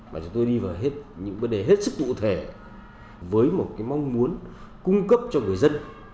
mà chúng tôi đi vào hết những vấn đề hết sức cụ thể với một cái mong muốn cung cấp cho người dân